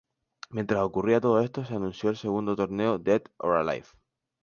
Mientras ocurría todo esto, se anunció el segundo torneo Dead or Alive.